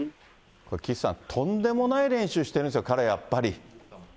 これ岸さん、とんでもない練習してるんですよ、彼はやっぱり。